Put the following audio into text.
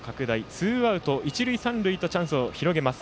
ツーアウト、一塁三塁とチャンスを広げます。